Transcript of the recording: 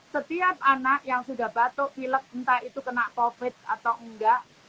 setiap anak yang sudah batuk pilek entah itu kena covid atau enggak